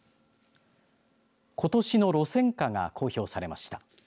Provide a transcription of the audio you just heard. ことしの路線価が公表されました。